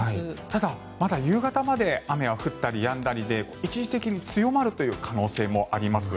ただ、夕方まで雨は降ったりやんだりで一時的に強まるという可能性もあります。